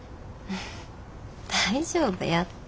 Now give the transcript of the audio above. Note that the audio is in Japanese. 大丈夫やって。